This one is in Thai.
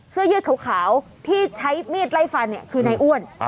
เสื้อยืดขาวที่ใช้มีดไล่ฟันคือนายอ้วน